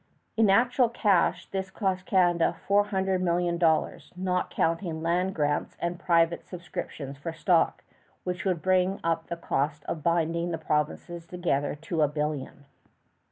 In actual cash this cost Canada four hundred million dollars, not counting land grants and private subscriptions for stock, which would bring up the cost of binding the provinces together to a billion.